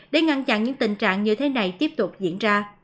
để ngăn chặn những tình trạng như thế này tiếp tục diễn ra